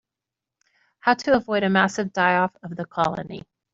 How to avoid a massive die-off of the colony.